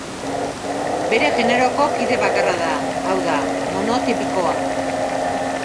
Bere generoko kide bakarra da, hau da, monotipikoa.